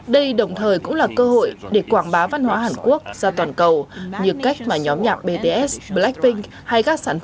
đây đồng thời cũng là cơ hội để quảng bá văn hóa hàn quốc ra toàn cầu như cách mà nhóm nhạc bts blackpink hay các sản phẩm điện ảnh khác đã thành công